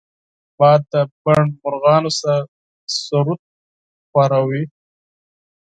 باد د بڼ مرغانو سرود خواره وي